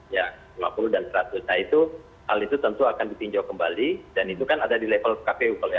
ya lima puluh dan seratus nah itu hal itu tentu akan ditinjau kembali dan itu kan ada di level kpu